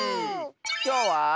きょうは。